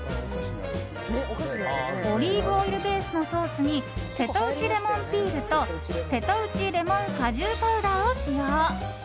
オリーブオイルベースのソースに瀬戸内レモンピールと瀬戸内レモン果汁パウダーを使用。